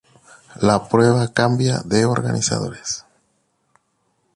La prueba cambia de organizadores.